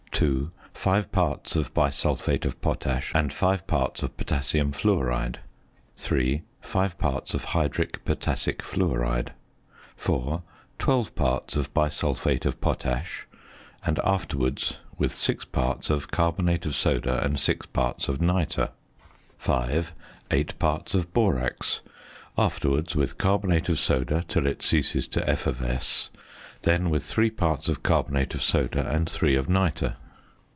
(2) 5 parts of bisulphate of potash and 5 parts of potassium fluoride. (3) 5 parts of hydric potassic fluoride. (4) 12 parts of bisulphate of potash; and, afterwards, with 6 parts of carbonate of soda and 6 parts of nitre. (5) 8 parts of borax; afterwards, with carbonate of soda till it ceases to effervesce; then, with 3 parts of carbonate of soda and 3 of nitre.